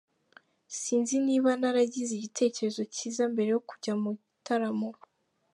Sinzi niba naragize igitekerezo cyiza mbere yo kujya mu gitaramo.